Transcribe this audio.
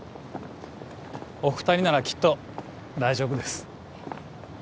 お二人ならきっと大丈夫です